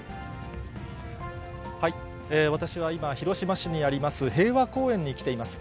私は今、広島市にあります平和公園に来ています。